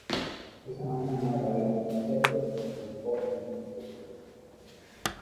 Esa mañana, Ryan Seacrest publicó otro link en Twitter.